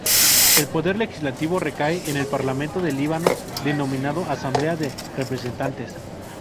El poder legislativo recae en el Parlamento del Líbano, denominado Asamblea de Representantes.